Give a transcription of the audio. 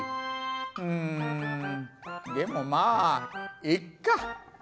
んでもまあいっか。